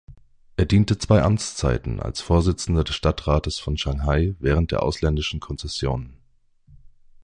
Er diente zwei Amtszeiten als Vorsitzender des Stadtrats von Shanghai während der Ausländischen Konzessionen.